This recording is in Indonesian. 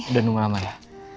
udah nunggu lama ya